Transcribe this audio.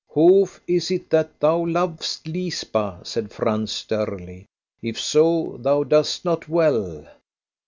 "Hof, is it that thou lov'st Lisba?" said Frank sternly; "if so, thou doest not well."